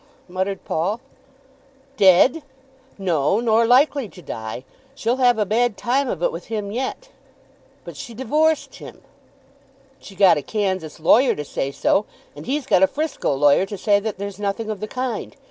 muttered Paul. "Dead! no, nor likely to die. She'll have a bad time of it with him yet." "But she divorced him." "She got a Kansas lawyer to say so, and he's got a Frisco lawyer to say that there's nothing of the kind.